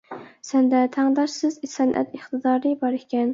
سەندە تەڭداشسىز سەنئەت ئىقتىدارى بار ئىكەن.